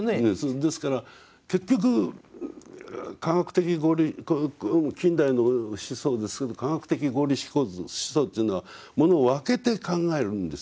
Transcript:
ですから結局科学的合理近代の思想ですけど科学的合理思想っていうのはものを分けて考えるんですね。